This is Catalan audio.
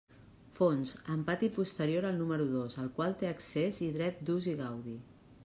Fons: amb pati posterior al número dos al qual té accés i dret d'ús i gaudi.